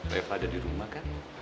reva ada dirumah kan